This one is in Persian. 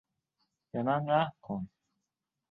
به من رحم کن!